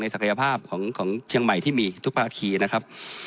ศักยภาพของเชียงใหม่ที่มีทุกภาคีนะครับ